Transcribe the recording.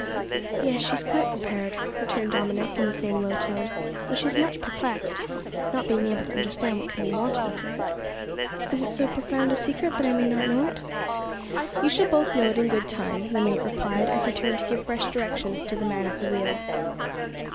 "Yes, she is quite prepared," returned Dominick, in the same low tone, "though she is much perplexed, not being able to understand what can be wanted of her. Is it so profound a secret that I may not know it?" "You shall both know it in good time," the mate replied, as he turned to give fresh directions to the man at the wheel.